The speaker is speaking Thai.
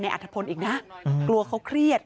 อัฐพลอีกนะกลัวเขาเครียด